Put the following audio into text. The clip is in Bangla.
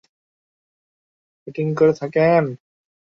এছাড়াও, বামহাতে কার্যকরী ব্যাটিং করে থাকেন তিনি।